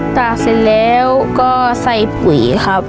ตากเสร็จแล้วก็ใส่ปุ๋ยครับ